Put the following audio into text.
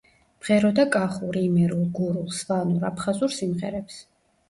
მღეროდა კახურ, იმერულ, გურულ, სვანურ, აფხაზურ სიმღერებს.